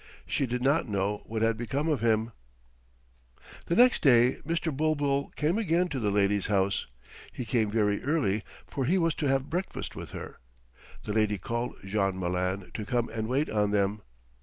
She did not know what had become of him. The next day Mr. Bulbul came again to the lady's house. He came very early for he was to have breakfast with her. The lady called Jean Malin to come and wait on them.